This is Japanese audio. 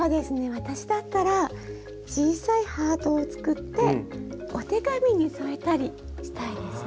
私だったら小さいハートを作ってお手紙に添えたりしたいですね。